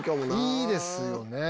いいですよね。